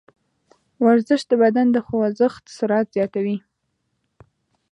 ورزش د بدن د خوځښت سرعت زیاتوي.